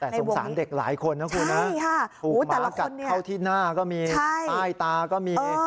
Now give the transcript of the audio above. แต่สงสารเด็กหลายคนนะคุณนะถูกหมากัดเข้าที่หน้าก็มีใต้ตาก็มี